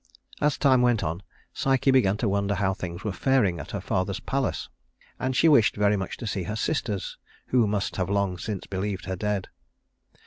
As time went on Psyche began to wonder how things were faring at her father's palace; and she wished very much to see her sisters who must have long since believed her dead.